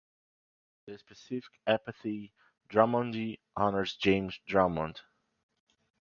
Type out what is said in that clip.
The specific epithet ("drummondii") honours James Drummond.